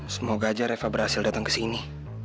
semoga aja reva berhasil datang ke sini